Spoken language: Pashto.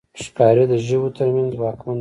ښکاري د ژويو تر منځ ځواکمن دی.